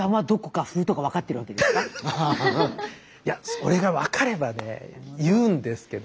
それが分かればね言うんですけど。